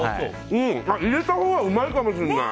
入れたほうがうまいかもしれない。